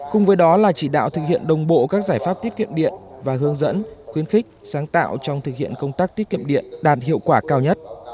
cùng với đó là chỉ đạo thực hiện đồng bộ các giải pháp tiết kiệm điện và hướng dẫn khuyến khích sáng tạo trong thực hiện công tác tiết kiệm điện đạt hiệu quả cao nhất